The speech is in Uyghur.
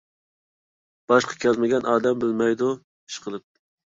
باشقا كەلمىگەن ئادەم بىلمەيدۇ، ئىشقىلىپ.